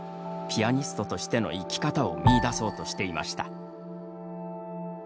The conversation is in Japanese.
ピアニストとしての生き方を見いだそうとしていました。